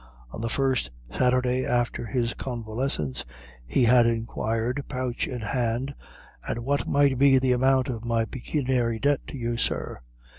On the first Saturday after his convalescence he had inquired, pouch in hand: "And what might be the amount of me pecuniary debt to you, sir?"